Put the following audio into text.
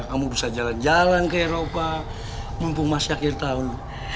kamu bisa jalan jalan ke eropa mumpung masih akhir tahun